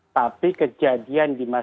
tapi kejadian di masa